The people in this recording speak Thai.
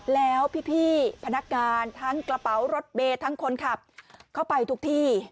แล้วพี่พนักงานทั้งกระเป๋ารถเมย์ทั้งคนขับเข้าไปทุกที่